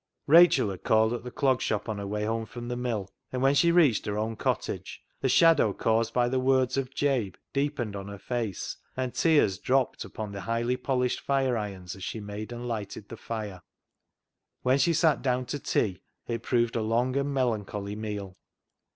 Rachel had called at the Clog Shop on her 240 CLOG SHOP CHRONICLES way home from the mill, and when she reached her own cottage the shadow caused by the words of Jabe deepened on her face, and tears dropped upon the highly polished fireirons as she made and lighted the fire. When she sat down to tea, it proved a long and melancholy meal.